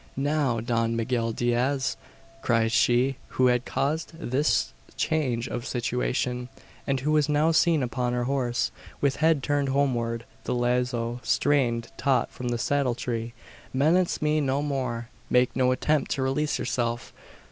"Now, Don Miguel Diaz!" cried she who had caused this change of situation, and who was now seen upon her horse, with head turned homeward, the lazo strained taut from the saddle tree. "Menace me no more! Make no attempt to release yourself.